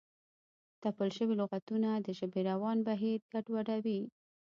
تپل شوي لغتونه د ژبې روان بهیر ګډوډوي.